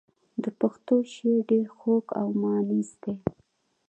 د پښتو شعر ډېر خوږ او مانیز دی.